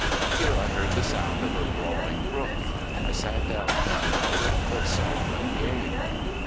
Here I heard the sound of a brawling brook. I sat down for an hour, but saw no game.